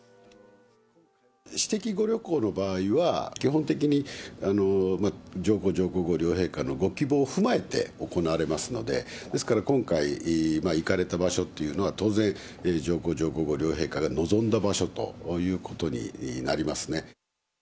私的ご旅行の場合は、基本的に、上皇、上皇后両陛下がご希望を踏まえて行われますので、ですから今回、行かれた場所というのは、当然上皇上皇后両陛下が望んだ場所ということになりますね。